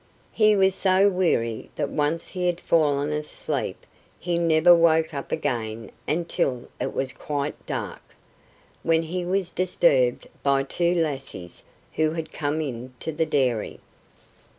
He was so weary that once he had fallen asleep he never woke up again until it was quite dark, when he was disturbed by two lassies who had come into the dairy.